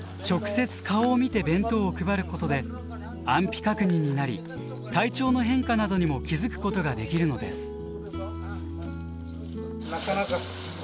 直接顔を見て弁当を配ることで安否確認になり体調の変化などにも気付くことができるのです。